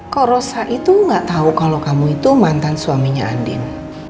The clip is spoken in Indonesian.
kok rosa itu gak tahu kalau kamu itu mantan suaminya andin